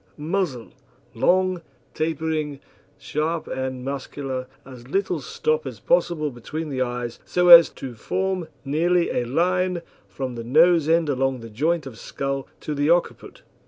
MUZZLE Long, tapering, sharp and muscular, as little stop as possible between the eyes, so as to form nearly a line from the nose end along the joint of skull to the occiput.